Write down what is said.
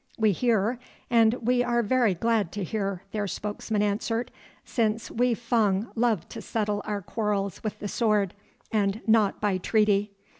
"We hear and we are very glad to hear," their spokesman answered, "since we Fung love to settle our quarrels with the sword and not by treaty.